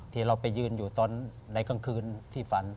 ที่เราไปยืนอยู่ตอนในกลางคืนที่ฝัน